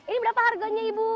ini berapa harganya ibu